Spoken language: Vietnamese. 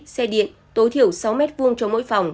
xe điện tối thiểu sáu m hai cho mỗi phòng